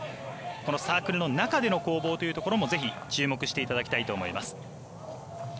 サークルの中での攻防というところもぜひ注目していただきたいと思います。